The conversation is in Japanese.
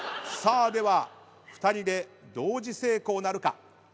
さあでは２人で同時成功なるか？